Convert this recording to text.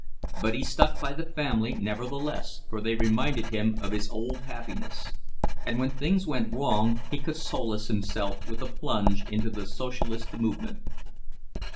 But he stuck by the family nevertheless, for they reminded him of his old happiness; and when things went wrong he could solace himself with a plunge into the Socialist movement.